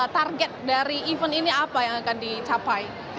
target dari event ini apa yang akan dicapai